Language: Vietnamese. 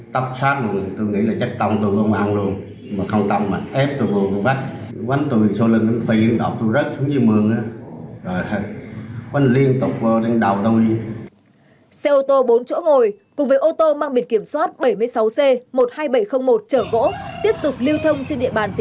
tâm sát luôn tôi nghĩ là chắc tâm tôi không ăn luôn mà không tâm mà ép tôi vô vô bắt